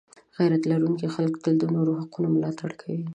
غیرت لرونکي خلک تل د نورو د حقونو ملاتړ کوي.